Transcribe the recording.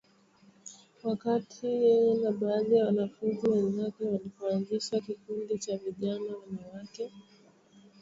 wakati yeye na baadhi ya wanafunzi wenzake walipoanzisha kikundi cha Vijana Wanawake